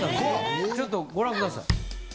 ・ちょっとご覧ください。